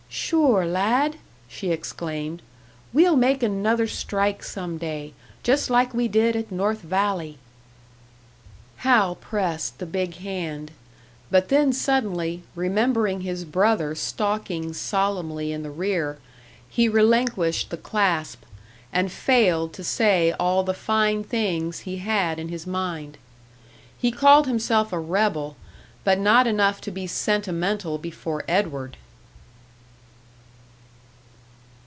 "Sure, lad!" she exclaimed. "We'll make another strike some day, just like we did at North Valley!" Hal pressed the big hand; but then suddenly, remembering his brother stalking solemnly in the rear, he relinquished the clasp, and failed to say all the fine things he had in his mind. He called himself a rebel, but not enough to be sentimental before Edward!